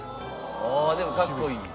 ああでもかっこいい！